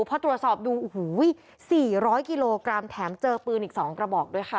พอตรวจสอบดูโอ้โห๔๐๐กิโลกรัมแถมเจอปืนอีก๒กระบอกด้วยค่ะ